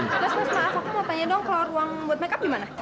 mas mas maaf aku mau tanya dong kalau ruang buat make up dimana